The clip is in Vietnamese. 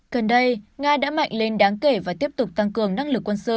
gần đây nga đã mạnh lên đáng kể và tiếp tục tăng cường năng lực quân sự